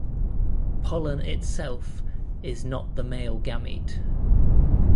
Pollen itself is not the male gamete.